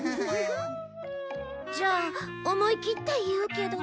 じゃあ思いきって言うけど。